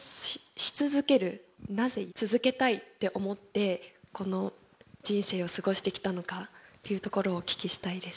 なぜ続けたいって思ってこの人生を過ごしてきたのかっていうところをお聞きしたいです。